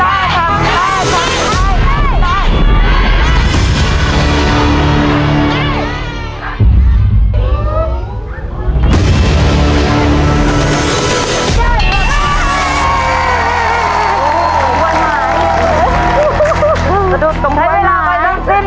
หัวหนึ่งหัวหนึ่ง